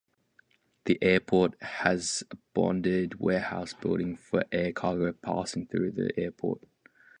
The airport has a bonded warehouse building for air cargo passing through the airport.